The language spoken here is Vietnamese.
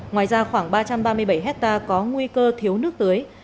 ngoài ra khoảng ba trăm ba mươi bảy hectare có nguy cơ thiếu nước tưới